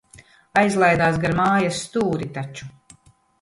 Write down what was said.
Aizlaidās gar mājas stūri taču.